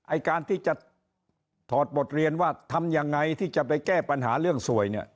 ไอ้การที่จะถอดบทเรียนว่าทำยังไงที่จะไปแก้ปัญหาเรื่องสวยเนี่ย